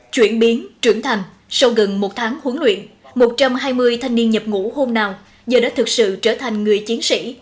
chuyển biến trưởng thành sau gần một tháng huấn luyện một trăm hai mươi thanh niên nhập ngủ hôm nào giờ đã thực sự trở thành người chiến sĩ